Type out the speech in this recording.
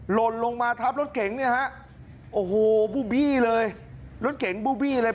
หล่นลงมาทับรถเก๋งเนี่ยฮะโอ้โหบูบี้เลยรถเก๋งบูบี้เลย